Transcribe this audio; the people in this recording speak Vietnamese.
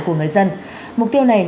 của người dân mục tiêu này